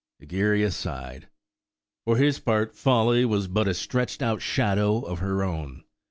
Egeria sighed; for his pert folly was but a stretched out shadow of her own.